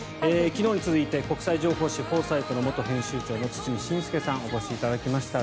昨日に続いて、国際情報誌「フォーサイト」元編集長の堤伸輔さんにお越しいただきました。